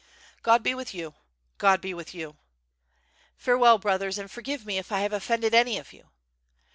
"God be with you! God be with you!'^ "Farewell, brothers, and forgive me if I have offended any of you."